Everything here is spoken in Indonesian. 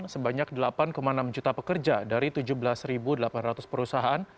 sebanyak delapan enam juta pekerja dari tujuh belas delapan ratus perusahaan